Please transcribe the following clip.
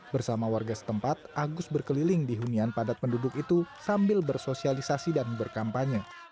bersama warga setempat agus berkeliling di hunian padat penduduk itu sambil bersosialisasi dan berkampanye